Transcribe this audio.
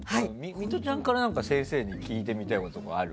ミトちゃんから先生に聞いてみたいことある？